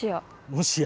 もしや。